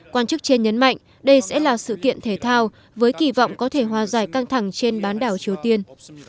quan chức trên nhấn mạnh đây sẽ là sự kiện thể thao với kỳ vọng có thể hòa giải căng thẳng trên bán đảo triều tiên